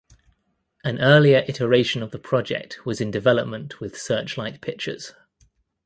An earlier iteration of the project was in development with Searchlight Pictures.